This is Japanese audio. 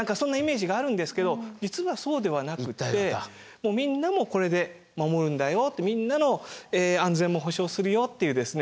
もうみんなもこれで守るんだよってみんなの安全も保証するよっていうですね